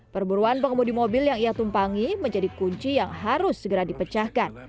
perburuan pengemudi mobil yang ia tumpangi menjadi kunci yang harus segera dipecahkan